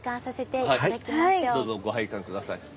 どうぞご拝観下さい。